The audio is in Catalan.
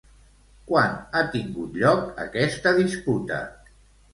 Quan ha tingut lloc aquesta disputa?